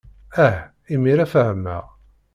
Ah, imir-a fehmeɣ.